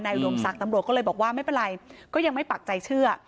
อุดมศักดิ์ตำรวจก็เลยบอกว่าไม่เป็นไรก็ยังไม่ปักใจเชื่อ